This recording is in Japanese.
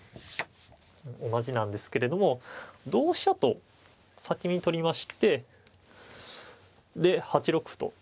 同じなんですけれども同飛車と先に取りましてで８六歩と。